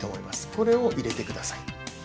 これを入れてください